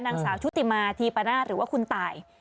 นางสาวชุติมาทีประนาจหรือว่าคุณตาย